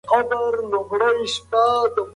ماښام لمبېدل آرام بخښي.